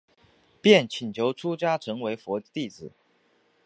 便请求出家成为佛弟子。